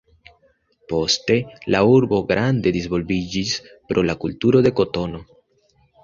Poste, la urbo grande disvolviĝis pro la kulturo de kotono.